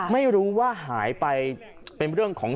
ไม่รู้ว่าหายไปเป็นเรื่องของ